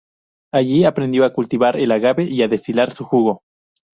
Allí aprendió a cultivar el agave y a destilar su jugo.